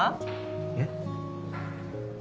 えっ？